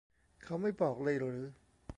เขาไม่บอกเลยหรือ